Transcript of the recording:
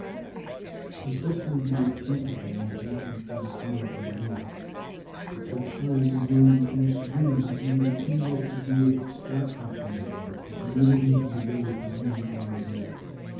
His best ideas came to him while walking through the fields and woods. At such times his mind became serene and he would attain that degree of abstraction from the world which enabled him to develop his musical ideas.